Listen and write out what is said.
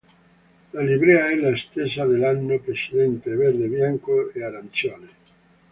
La livrea è la stessa dell'anno precedente: verde, bianco e arancione.